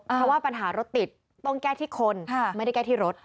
เพราะว่าปัญหารถติดต้องแก้ที่คนไม่ได้แก้ที่รถ